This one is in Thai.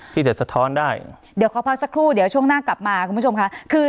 ที่จะสะท้อนได้เดี๋ยวขอพักสักครู่เดี๋ยวช่วงหน้ากลับมาคุณผู้ชมค่ะคือ